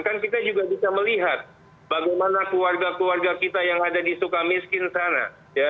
kan kita juga bisa melihat bagaimana keluarga keluarga kita yang ada di sukamiskin sana